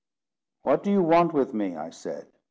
"What do you want with me?" I said.